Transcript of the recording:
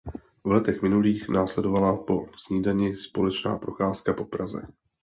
V letech minulých následovala po snídani společná procházka po Praze.